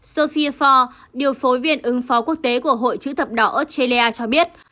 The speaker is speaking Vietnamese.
sofia ford điều phối viên ứng phó quốc tế của hội chữ thập đỏ australia cho biết